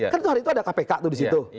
kan itu hari itu ada kpk tuh di situ